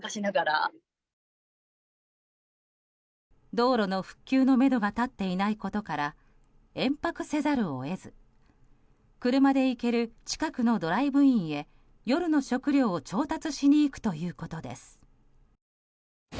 道路の復旧のめどが立っていないことから延泊せざるを得ず車で行ける近くのドライブインへ夜の食料を調達しにいくということです。